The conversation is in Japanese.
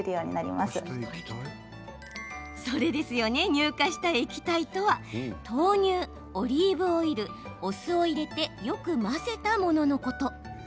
乳化した液体とは、豆乳オリーブオイル、お酢を入れてよく混ぜたもののこと。